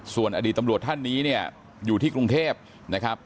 ส่วนอดีตตำรวจท่านนี้เนี่ยอยู่ที่กรุงเทพนะครับ